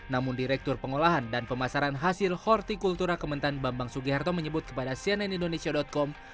namun direktur pengolahan dan pemasaran hasil hortikultura kementan bambang sugiharto menyebut kepada cnn indonesia com